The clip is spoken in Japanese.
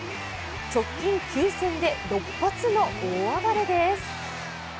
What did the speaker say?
直近９戦で６発の大暴れです。